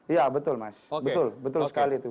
iya betul mas betul betul sekali itu